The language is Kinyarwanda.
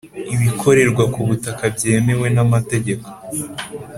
ibikorerwa ku butaka byemewe namategeko